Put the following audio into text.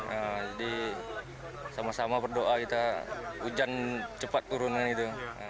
jadi sama sama berdoa kita hujan cepat turunan itu